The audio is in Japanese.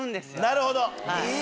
なるほど！